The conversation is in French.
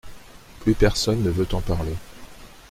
Plus personne ne veut en parler.